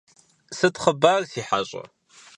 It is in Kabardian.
Сыт хъыбар, си хьэщӀэ?